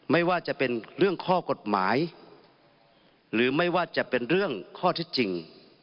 ไม่ว่าจะเป็นเรื่องข้อกฎหมายหรือไม่ว่าจะเป็นเรื่องข้อเท็จจริง